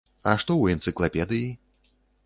А што ў энцыклапедыі?